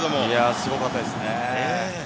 すごかったですよね。